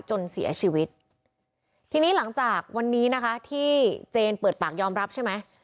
จนเสียชีวิตทีนี้หลังจากวันนี้นะคะที่เจนเปิดปากยอมรับใช่ไหม